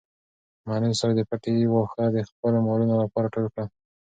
معلم صاحب د پټي واښه د خپلو مالونو لپاره ټول کړل.